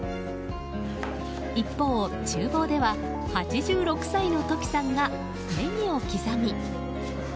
一方、厨房では８６歳のトキさんがネギを刻み。